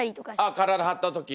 体はった時？